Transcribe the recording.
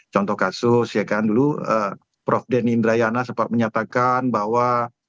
contoh kasus ya kan dulu prof denny indrayana sempat menyatakan bahwa